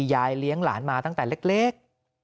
ยายเลี้ยงหลานมาตั้งแต่เล็ก